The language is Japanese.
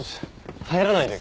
入らないで。